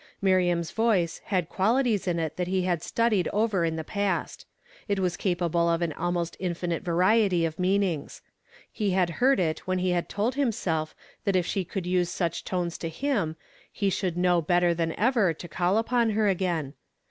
Miriam's voice had qualities in it that he had studied over in the past. It was capable of an almost inlinite variety of meanings. He had heard it when he had told himself that if she should use such tones to him, ho should know better than ever to call upon her again.